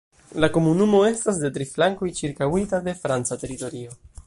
La komunumo estas de tri flankoj ĉirkaŭita de franca teritorio.